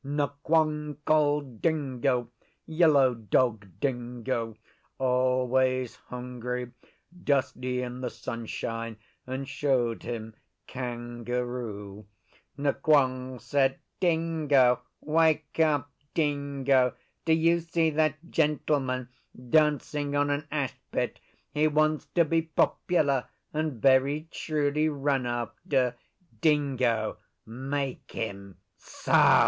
Nqong called Dingo Yellow Dog Dingo always hungry, dusty in the sunshine, and showed him Kangaroo. Nqong said, 'Dingo! Wake up, Dingo! Do you see that gentleman dancing on an ashpit? He wants to be popular and very truly run after. Dingo, make him SO!